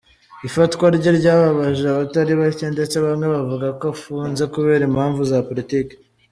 Ifatwa rye ryababaje abatari bake ndetse bamwe bavuga ko afunze kubera impamvu za politiki .